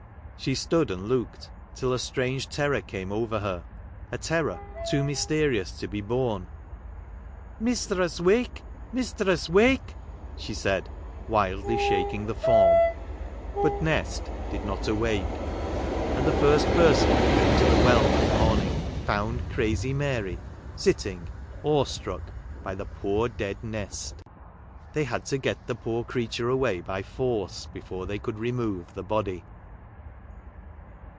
She stood and looked till a strange terror came over her — a terror too mysterious to be borne. " Mistress, wake ! Mistress, wake !" she said, wildly, shaking the form. But Nest did not awake. And the first 210 HOUSEHOLD WORDS. [Conducted by person who came to the well that morning found crazy Mary sitting, awe struck, by the poor dead Nest. They had to get the poor creature away by force, before they could remove the body.